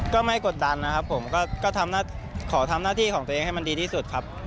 ไม่กดดันนะครับผมก็ขอทำหน้าที่ของตัวเองให้มันดีที่สุดครับ